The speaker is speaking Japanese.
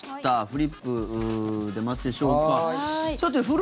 フリップ、出ますでしょうか。